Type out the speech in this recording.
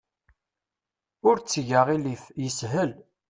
Ur tteg aɣilif. Yeshel.